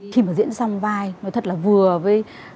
khi mà diễn song vai nó thật là vừa với